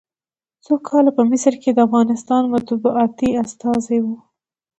څو کاله په مصر کې د افغانستان مطبوعاتي استازی و.